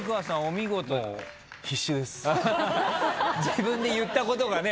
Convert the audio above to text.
自分で言ったことがね